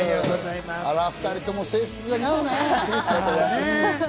あら、２人とも制服が似合うね。